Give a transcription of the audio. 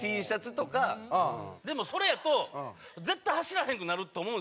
でもそれやと絶対走らへんくなると思うんです。